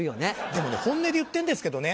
でもね本音で言ってんですけどね。